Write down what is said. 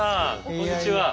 こんにちは。